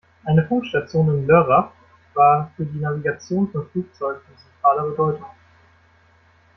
Eine Funkstation in Lörrach war für die Navigation von Flugzeugen von zentraler Bedeutung.